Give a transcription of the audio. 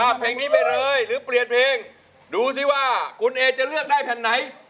มาดูสิว่าคุณเอจะเลือกได้แผ่นไหน